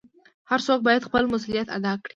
هر څوک بايد خپل مسؤليت ادا کړي .